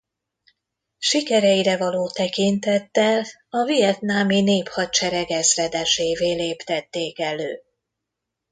Sikereire való tekintettel a vietnámi néphadsereg ezredesévé léptették elő.